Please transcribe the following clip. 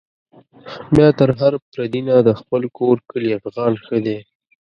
بيا تر هر پردي نه، د خپل کور کلي افغان ښه دی